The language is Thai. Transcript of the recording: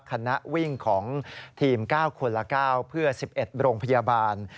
คณะวิ่งของทีม๙คนละ๙เพื่อ๑๑โรงพยาบาล